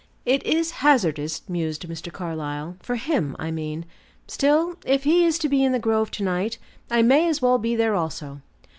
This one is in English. "It is hazardous," mused Mr. Carlyle; "for him, I mean. Still, if he is to be in the grove to night, I may as well be there also.